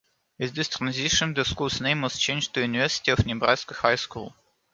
With this transition the school's name was changed to University of Nebraska High School.